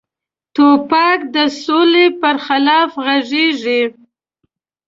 توپک د سولې پر خلاف غږیږي.